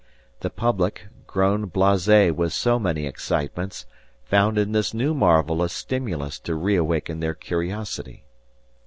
The public, grown blase with so many excitements, found in this new marvel a stimulus to reawaken their curiosity.